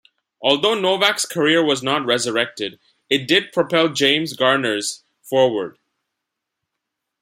Although Novak's career was not resurrected, it did propel James Garner's forward.